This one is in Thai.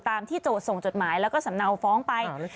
ที่โจทย์ส่งจดหมายแล้วก็สำเนาฟ้องไป